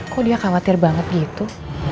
kok dia khawatir banget gitu